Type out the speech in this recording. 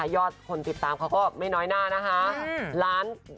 ยอดผู้ติดตามเขาก็ไม่น้อยน่า๑๕ล้าน